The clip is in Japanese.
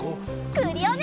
クリオネ！